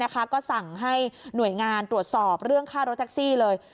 ก็สั่งให้หน่วยงานตรวจสอบเรื่องค่ารถแท็กซี่เลย